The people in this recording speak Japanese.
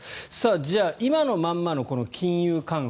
じゃあ、今のままの金融緩和